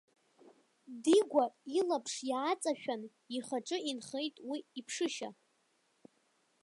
Дигәа илаԥш иааҵашәан ихаҿы инхеит уи иԥшышьа.